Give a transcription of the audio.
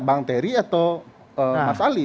bang terry atau mas ali